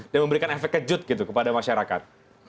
dan memberikan efek kejut gitu kepada masyarakat